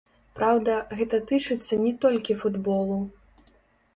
Праўда, гэта тычыцца не толькі футболу.